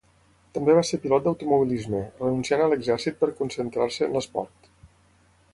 També va ser pilot d'automobilisme, renunciant a l'exèrcit per concentrar-se en l'esport.